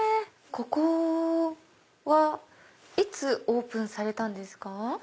ここはいつオープンされたんですか？